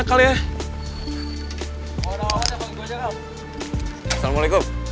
eh kal kal kal